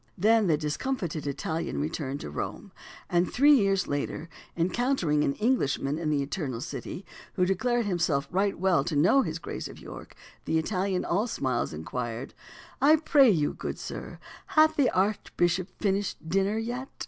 Then the discomfited Italian returned to Rome; and three years later, encountering an Englishman in the Eternal City, who declared himself right well known to His Grace of York, the Italian, all smiles, inquired: "I pray you, good sir, hath that archbishop finished dinner yet?"